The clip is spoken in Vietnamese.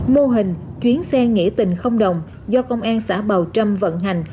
mô hình chuyến xe nghĩa tình không đồng do công an xã bào trâm vận hành